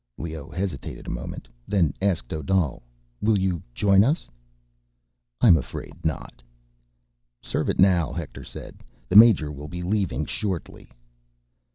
Leoh hesitated a moment, then asked Odal, "Will you join us?" "I'm afraid not." "Serve it now," Hector said. "The major will be leaving shortly."